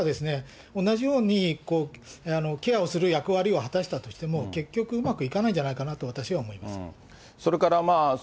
だからそういう人が、同じようにケアをする役割を果たしたとしても、結局うまくいかないんじゃないかなと私は思います。